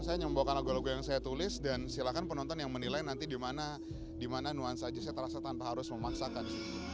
saya hanya membawakan lagu lagu yang saya tulis dan silakan penonton yang menilai nanti di mana nuansa jazznya terasa tanpa harus memaksakan